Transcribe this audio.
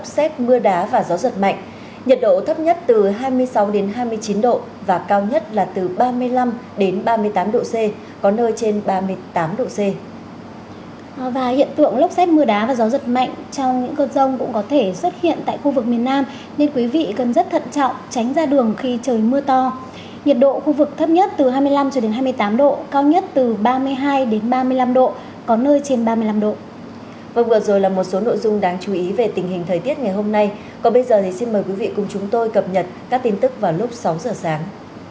xin mời quý vị cùng chúng tôi cập nhật các tin tức vào lúc sáu giờ sáng